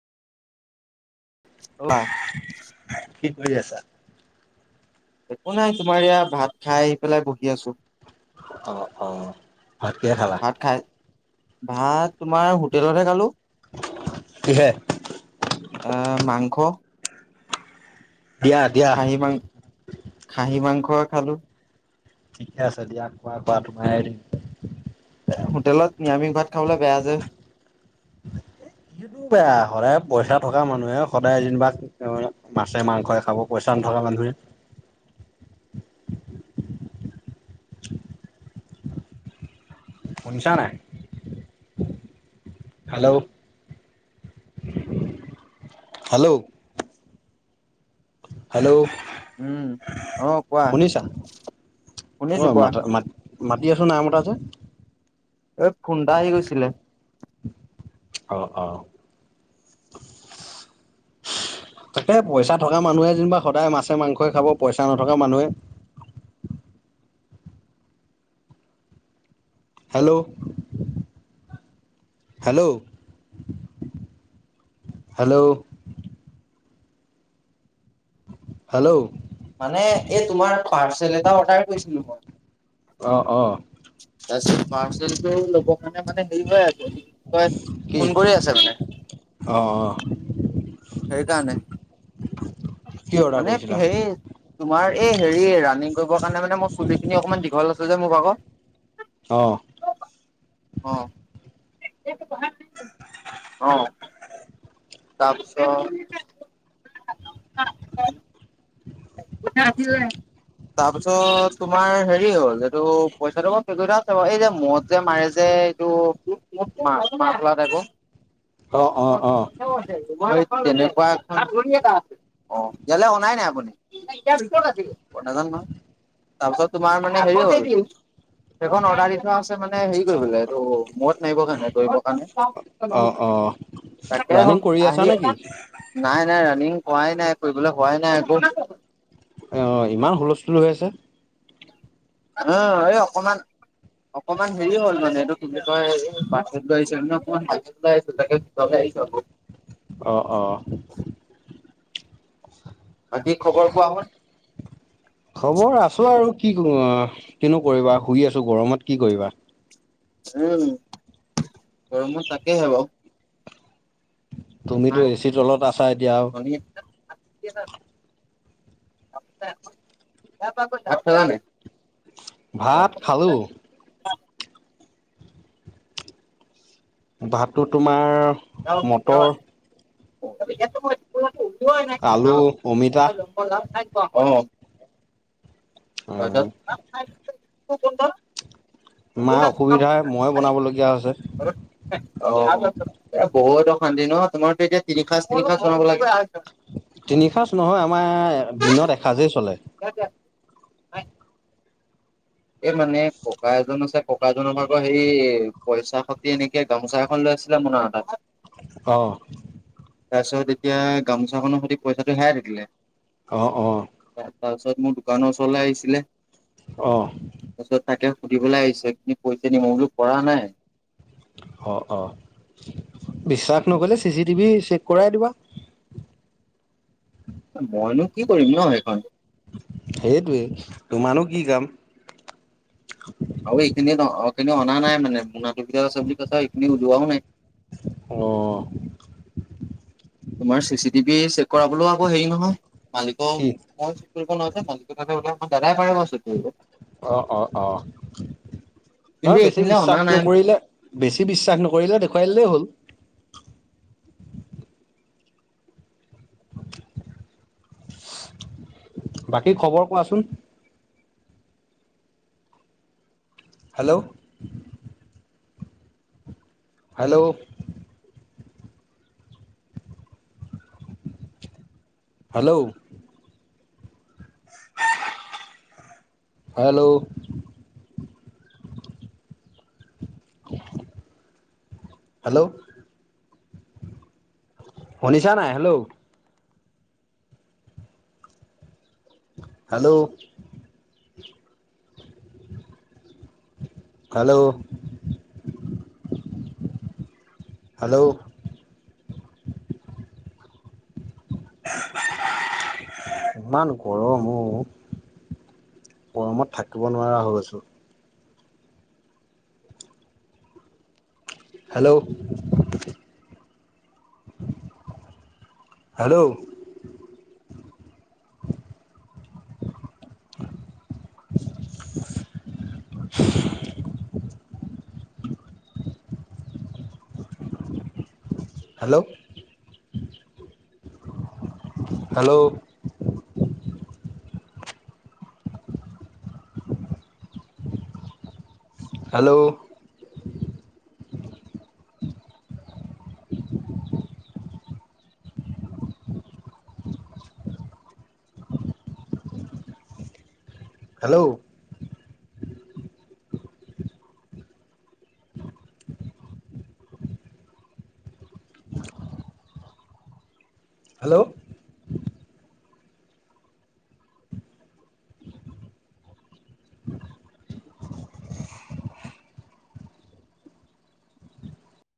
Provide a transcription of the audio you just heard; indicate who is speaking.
Speaker 1: মা
Speaker 2: কি কৰি আছা
Speaker 1: একো নাই তোমাৰ ইয়া ভাত খাই আহি পেলাই বহি আছো
Speaker 2: আহ অ ভাত কিহে খালা
Speaker 1: ভাত খাই ভাত তোমাৰ হোটেলতহে খালো
Speaker 2: কিহে?
Speaker 1: এ মাংস
Speaker 2: দিয়া দিয়া
Speaker 1: খাহী মাংস খাহী মাংস খালো
Speaker 2: ঠিকে আছে দিয়া খোৱা তোমাৰে দিন
Speaker 1: হোটেলত নিৰামিষ ভাত খাবলৈ বেয়া যে
Speaker 2: সেইটো বেয়া সদায় পইচা থকা মানুহে সদায় যেনিবা মাছে মাংস খাব পইচা নথকা বন্ধু শুনছা নাই হেল্ল' হেল্ল' হেল্ল'
Speaker 1: উম অ কোৱা
Speaker 2: শুনিছা অ
Speaker 1: শুনিছো কোৱা
Speaker 2: মাত ম ম দি আছো নাই মতা যে
Speaker 1: এ ফুনটা আহি গৈছিলে
Speaker 2: অ অ তাকে পইচা থকা মানুহে যেনিবা সদায় মাছে মাংসই খাব পইচা নথকা মানুহে হেল্ল' হেল্ল' হেল্ল' হেল্ল'
Speaker 1: মানে এই তোমাৰ পাৰ্চেল এটা অৰ্ডাৰ কৰিছিলো মই
Speaker 2: অ অ
Speaker 1: ত পাৰ্চেলটো লব কাৰনে মানে হেৰি হয় আছে তই
Speaker 2: কি
Speaker 1: ফোন কৰি আছে
Speaker 2: অ', অ',
Speaker 1: মানে হেই কাৰণে
Speaker 2: কি অৰ্ডাৰ কৰিছিলা
Speaker 1: তোমাৰ এই হেৰি ৰানিং কৰিবৰ কাৰণে মানে মোৰ চুলিখিনি অকমান দীঘল আছিল যে মো ভাগ
Speaker 2: অ
Speaker 1: অ অ তাৰপিছত নি তাৰপিছত তোমাৰ হেৰি হ'ল এইটো পইচাটো অ পেকটা এই যে মূৰত যে মাৰে যে এইটো মাফলা তাইপৰ
Speaker 2: অ অ অ
Speaker 1: তেনেকুৱা এটা অ ইয়ালৈ অনাই নাই আপুনি নাজানো নহয় তাৰপিছত তোমাৰ মানে হেৰি হল সেইখন অৰ্ডাৰ দি থোৱা আছে মানে হেৰি কৰিবলৈ এইটো মোৰত মাৰিব কাৰণ
Speaker 2: অ অ
Speaker 1: তাকে
Speaker 2: ৰানিং কৰি আছা
Speaker 1: আহি
Speaker 2: নেকি
Speaker 1: নাই নাই ৰাণিং কৰাই নাই কৰিবলৈ হোৱাই নাই এক
Speaker 2: অ অ ইমান হুলস্থুল হৈ আছে
Speaker 1: অ এই অকমান অকমান হেৰি হল মানে এইটো কে কাট লৈ আহিছ নে অকমানৈ আহিছো তাকে ভিতৰ স কাব
Speaker 2: অঁ অ
Speaker 1: বাকী খবৰ কোৱা হ'ল
Speaker 2: খবৰ আছো আৰু কি অ কনে কৰিবা শুই আছো গৰমত কি কৰিবা
Speaker 1: উম গৰমত তাকেহে বাৰু
Speaker 2: তুমিতো
Speaker 1: নাই
Speaker 2: এচি তলত আছা এতিয়া আৰু
Speaker 1: ভনী [unintelligible] অ
Speaker 2: ভাত খালোঁ। ভাতটো তোমাৰ মটৰ
Speaker 1: অ',
Speaker 2: আলু
Speaker 1: অ',
Speaker 2: অমিতা
Speaker 1: অ', ত কন্দ অ',
Speaker 2: মাৰ অসুবিধাই মই বনাবলগীয়া হৈছে
Speaker 1: বত সানি ন তোমাৰোতিয়া তিনিখাতিৰিখা জননাব লাগ।
Speaker 2: তিনি সাঁজ নহয় আমাৰ দিনত এসাঁজেই চলে
Speaker 1: কতে এ মানে ককা এজন আছে ককা এজনৰ আগৰ সেই পইচা খতি এনেকে গামোচা এখন লৈ ছিল ম
Speaker 2: অহ
Speaker 1: তাৰপিছত এতিয়া গামোচাখনৰ সৈতে পইচাটো হোই থাকিলে।
Speaker 2: অ', অ
Speaker 1: তাৰপিছত মোৰ দোকানৰ চলাই আহিছিলে।
Speaker 2: অ।
Speaker 1: তাৰপিছত তাকে সুধিবলৈ আহিছে কিন্তু পইচা নি ম বোলো কৰা নাই।
Speaker 2: অ', অ বিশ্বাস নক'লে চি চি টিভি চেক কৰাই দিবা। [inaudible]
Speaker 1: মইনো কি কৰিম ন সেইখন।
Speaker 2: সেইটোৱেই তোমাৰো কি কাম?
Speaker 1: আৰু এইখিনি অ খিনি অনা নাই মানে মনাত। জজি কছ ইিনি উলোৱাও নাই।
Speaker 2: অ',
Speaker 1: তোমাৰ চি চি টিভি চেক কৰালৈও আকৌ হেৰি নহয় মালিক
Speaker 2: কি
Speaker 1: মই চুট কৰিব নোৱাৰো যে মালিক তাতে বোলে মই দাদাই পাৰে মই চুট কৰিব।
Speaker 2: অ', অ', অ',
Speaker 1: কিন্তু
Speaker 2: নহয় বেছি
Speaker 1: এইখিনিলে অনা
Speaker 2: বিশ্বাস
Speaker 1: নাই
Speaker 2: নকৰিলে বেছি বিশ্বাস নকৰিলে দেখুৱাই দিলেই হ'ল। বাকী খবৰ কোৱাচোন? Hello. Hello. Hello. Hello. [inaudible] Hello. শুনিছা নাই হেল্ল'। হেল্ল'। হেল্ল'। হেল্ল'। ইমান গৰমো গৰমত থাকিব নোৱাৰা হৈ আছো। Hello. Hello. [inaudible] Hello. Hello. Hello. [inaudible] Hello. Hello.